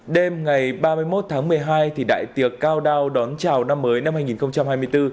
đêm ngày ba mươi một tháng một mươi hai đại tiệc cao đao đón chào năm mới năm hai nghìn hai mươi bốn